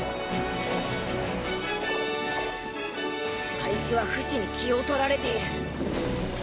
あいつはフシに気を取られている。